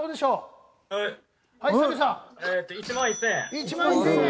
１万１０００円。